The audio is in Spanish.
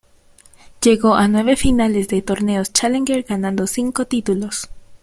Llegó a nueve finales de torneos challenger, ganando cinco títulos.